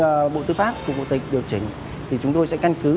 của bộ tư pháp thì chúng ta sẽ thực hiện các cơ sở dữ liệu quốc gia dân cư